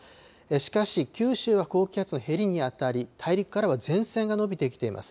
しかし、九州は高気圧のへりにあたり、大陸からは前線が延びてきています。